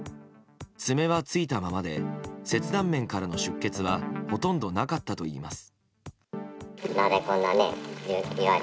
爪はついたままで切断面からの出血はほとんどなかったといいます。